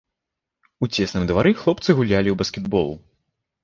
У цесным двары хлопцы гулялі ў баскетбол.